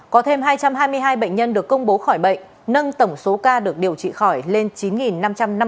có thêm hai trăm hai mươi hai bệnh nhân được công bố khỏi bệnh nâng tổng số ca được điều trị khỏi lên chín năm trăm năm mươi ba ca tổng số ca tử vong trong ngày là năm ca